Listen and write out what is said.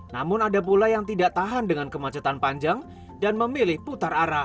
namun ada pula yang tidak tahan dengan kemacetan panjang dan memilih putar arah